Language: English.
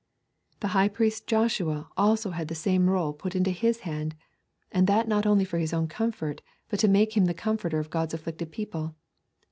The high priest Joshua also had the same roll put into his hand, and that not only for his own comfort, but to make him the comforter of God's afflicted people.